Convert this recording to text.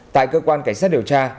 tại cơ quan cảnh sát điều tra